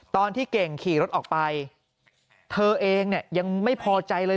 ตอนที่เก่งขี่รถออกไปเธอเองเนี่ยยังไม่พอใจเลย